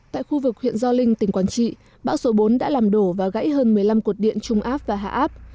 tại khu vực huyện gio linh tỉnh quảng trị bão số bốn đã làm đổ và gãy hơn một mươi năm cột điện trung áp và hạ áp